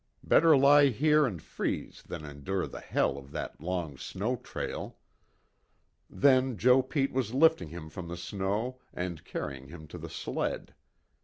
Better lie here and freeze than endure the hell of that long snow trail. Then Joe Pete was lifting him from the snow and carrying him to the sled.